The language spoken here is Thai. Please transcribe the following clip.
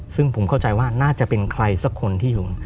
ซึ่งผมเข้าใจว่าน่าจะเป็นใครสักคนที่อยู่